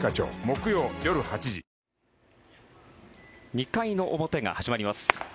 ２回の表が始まります。